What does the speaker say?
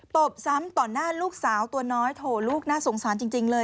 บซ้ำต่อหน้าลูกสาวตัวน้อยโถลูกน่าสงสารจริงเลย